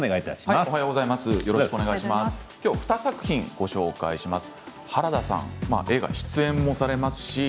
今日は２作品ご紹介します。